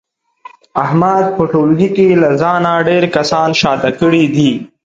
احمد په ټولګي له ځانه ډېر کسان شاته کړي دي.